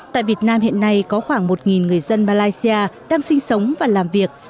tại việt nam hiện nay có khoảng một người dân malaysia đang sinh sống và làm việc